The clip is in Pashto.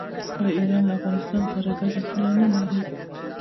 آیا ایران له افغانستان سره ګډه پوله نلري؟